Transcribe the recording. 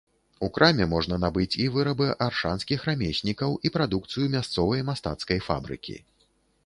У краме можна набыць і вырабы аршанскіх рамеснікаў, і прадукцыю мясцовай мастацкай фабрыкі.